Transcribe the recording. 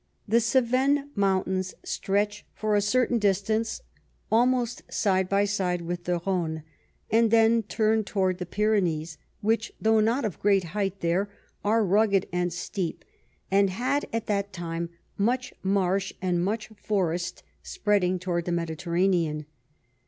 The Cevennes mountains stretch for a certain distance almost side by side with the Rhone, and then turn towards the Pyrenees, which, though not of great height there, are rugged and steep and had at that time much marsh and much forest spreading towards the Mediterranean.